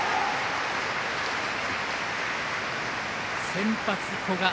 先発、古賀。